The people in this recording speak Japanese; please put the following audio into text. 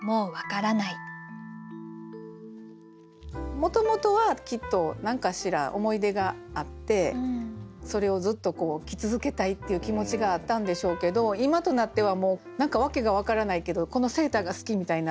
もともとはきっと何かしら思い出があってそれをずっと着続けたいっていう気持ちがあったんでしょうけど今となってはもう何か理由がわからないけどこのセーターが好きみたいになっている。